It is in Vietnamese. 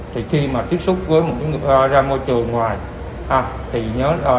thì khi mà tiếp xúc với một người ra môi trường ngoài